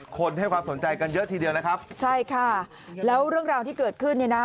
ให้ความสนใจกันเยอะทีเดียวนะครับใช่ค่ะแล้วเรื่องราวที่เกิดขึ้นเนี่ยนะ